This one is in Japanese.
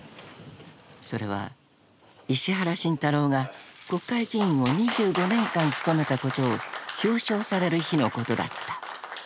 ［それは石原慎太郎が国会議員を２５年間務めたことを表彰される日のことだった］